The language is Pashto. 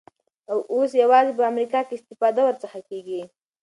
او اوس یوازی په امریکا کي استفاده ورڅخه کیږی